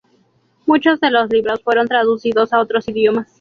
Muchos de los libros fueron traducidos a otros idiomas.